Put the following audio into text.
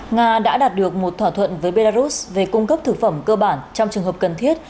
nga đã đạt được một thỏa thuận với belarus về cung cấp thực phẩm cơ bản trong trường hợp cần thiết